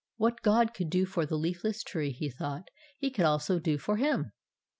What God could do for the leafless tree, he thought, He could also do for him.